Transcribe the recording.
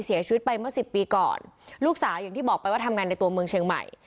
เสียชีวิตไปเมื่อสิบปีก่อนลูกสาวอย่างที่บอกไปว่าทำงานในตัวเมืองเชียงใหม่